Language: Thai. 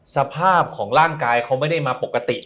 สภาพของร่างกายเขาไม่ได้มาปกติ